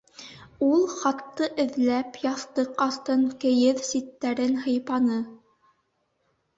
— Ул хатты эҙләп, яҫтыҡ аҫтын, кейеҙ ситтәрен һыйпаны.